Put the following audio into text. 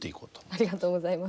ありがとうございます。